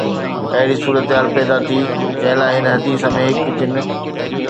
اهڙي صورتحال پيدا ٿي جنهن لاءِ هن حديث ۾ هڪ جن